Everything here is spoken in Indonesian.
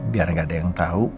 biar gak ada yang tahu